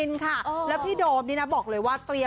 จะได้กินกันอย่างไร